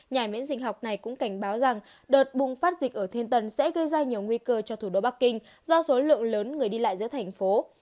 nhà miễn dịch học này cũng cảnh báo rằng đợt bùng phát dịch ở thiên tân sẽ gây ra nhiều nguy cơ cho thủ đô bắc kinh do số lượng lớn người đi lại giữa thành phố